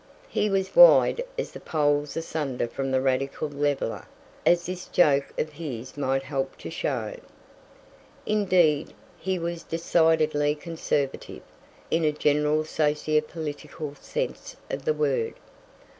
He was wide as the poles asunder from the radical leveller, as this joke of his might help to show. Indeed, he was decidedly conservative, in a general socio political sense of the word.